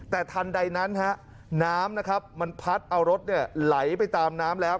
แต่ทันใดนั้นน้ำนะครับมันพัดเอารถไหลไปตามน้ำแล้ว